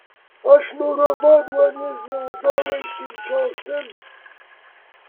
A sznurowadła nie związałeś tymczasem?